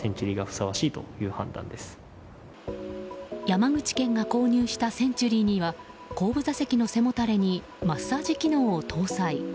山口県が購入したセンチュリーには後部座席の背もたれにマッサージ機能を搭載。